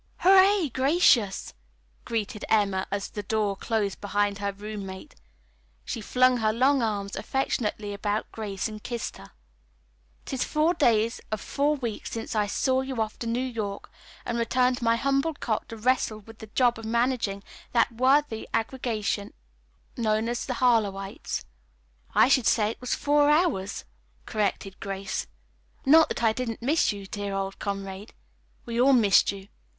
"Hooray, Gracious!" greeted Emma as the door closed behind her roommate. She flung her long arms affectionately about Grace and kissed her. "Is it four days or four weeks since I saw you off to New York and returned to my humble cot to wrestle with the job of managing that worthy aggregation known as the Harlowites?" "I should say it was four hours," corrected Grace. "Not that I didn't miss you, dear old comrade. We all missed you.